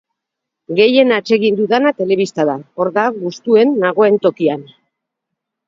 Gehien atsegin dudana telebista da, hor da gustuen nagoen tokian.